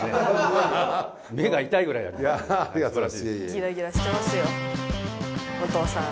ギラギラしてますよお父さん。